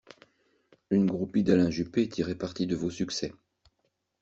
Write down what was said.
Une groupie d'Alain Juppé tirait parti de vos succès.